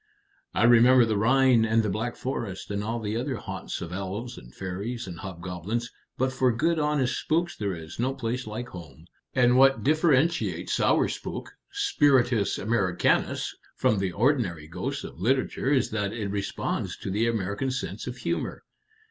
"I remember the Rhine and the Black Forest and all the other haunts of elves and fairies and hobgoblins; but for good honest spooks there is no place like home. And what differentiates our spook spiritus Americanus from the ordinary ghost of literature is that it responds to the American sense of humor.